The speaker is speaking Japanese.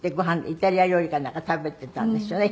イタリア料理かなんか食べてたんですよね